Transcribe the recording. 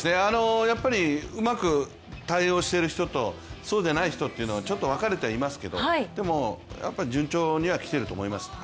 やっぱりうまく対応している人とそうでない人っていうのはちょっと分かれていますけれどもでもやっぱり順調には来ていると思います。